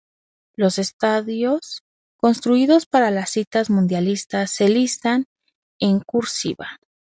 Los estadios construidos para la cita mundialista se listan en "cursiva".